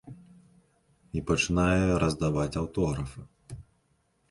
І пачынае раздаваць аўтографы.